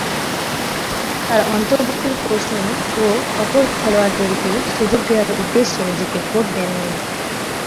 তার অন্তর্ভুক্তির প্রশ্নে ও অপর খেলোয়াড়দেরকে সুযোগ দেয়ার উদ্দেশ্যে নিজেকে ভোট দেননি।